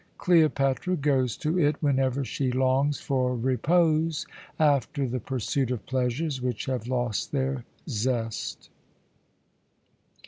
Cleopatra goes to it whenever she longs for repose after the pursuit of pleasures which have lost their zest.